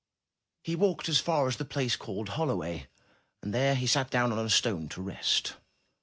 He walked as far as the place called Holloway, and there he sat down on a stone to rest.